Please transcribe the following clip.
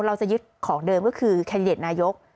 เราจะยึดของเดิมก็คือแคนดิเดตนายก